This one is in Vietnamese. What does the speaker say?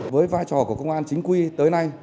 với vai trò của công an chính quy tới nay